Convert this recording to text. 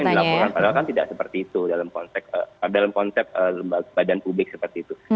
yang dilaporkan padahal kan tidak seperti itu dalam konsep badan publik seperti itu